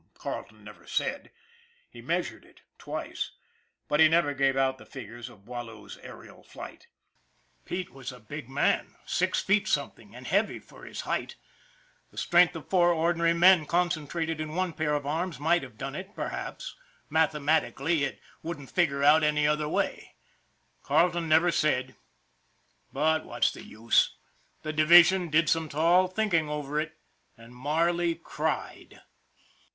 Carleton never said. He measured it twice. But he never gave out the figures of Boileau's aerial flight. Pete was a big man, six feet something, and heavy for his height. The strength of four ordinary men concentrated in one pair of arms might have done it perhaps ; mathematic ally it wouldn't figure out any other way. Carleton MARLEY 221 never said. But what's the use! The division did some tall thinking over it and Marley cried